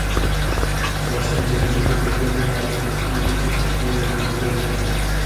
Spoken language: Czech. Dalším výrazným pokrokem je nárůst počtu útočišť pro zneužité ženy.